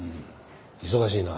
忙しいな。